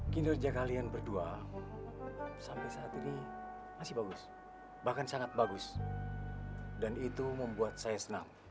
kinerja kalian berdua sampai saat ini masih bagus bahkan sangat bagus dan itu membuat saya senang